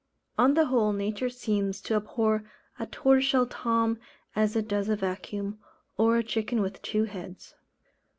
On the whole, nature seems to abhor a Tortoiseshell Tom as it does a vacuum, or a chicken with two heads.